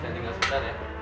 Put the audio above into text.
sini ga sempet ya